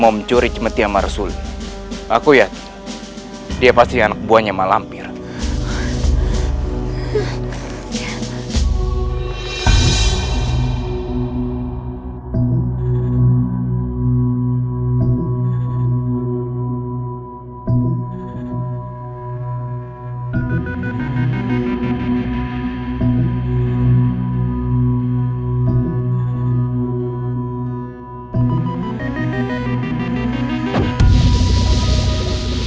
mencuri cemeti sama rasul aku ya dia pasti anak buahnya malam biru hai hai hai hai hai